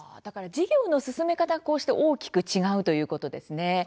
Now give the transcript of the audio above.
授業の進め方が、こうして大きく違うということですね。